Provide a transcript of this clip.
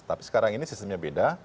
tapi sekarang ini sistemnya beda